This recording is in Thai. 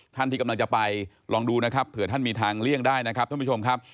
ท่านที่กำลังจะไปลองดูนะครับเผื่อท่านมีทางเลี่ยงได้นะครับท่านผู้ชมครับ